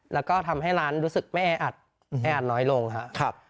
แล้วก็ทำให้ร้านรู้สึกไม่แออัดแออัดน้อยลงครับ